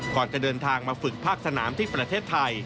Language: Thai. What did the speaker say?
ก่อนจะเดินทางมาฝึกภาคสนามที่ประเทศไทย